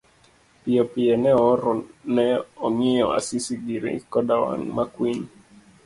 Piyopiyo ne ooro ne ong'iyo Asisi giri koda wang makwiny.